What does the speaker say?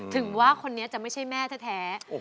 ถึงว่าคนนี้จะไม่ใช่แม่แท้